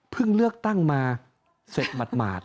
เลือกตั้งมาเสร็จหมาด